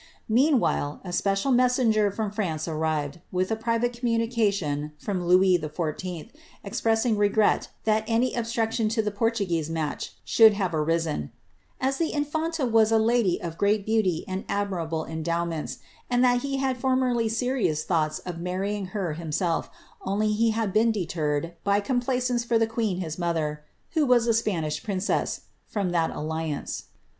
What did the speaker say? Meanwhile a special messenger from France arrived, with a pri vate communication from Louis XIV., expressing regret that any obstruc tion to the Portuguese match should have arisen, ^^ as the infanta was a lady of great beauty and admirable endowments, and that he had formerly serious thoughts of marrying her himself, only he had been deterred, by complaisance for the queen, his mother (who was a Spanish princess), from that alliance."